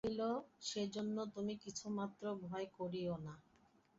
বিনোদিনী কহিল, সেজন্য তুমি কিছুমাত্র ভয় করিয়ো না।